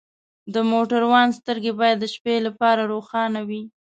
د موټروان سترګې باید د شپې لپاره روښانه وي.